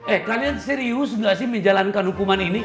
eh kalian serius nggak sih menjalankan hukuman ini